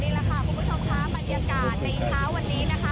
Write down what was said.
นี่ล่ะค่ะคุณผู้ชมครับบรรยากาศในเช้าวันนี้ค่ะ